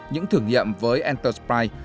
những thử nghiệm với entersprite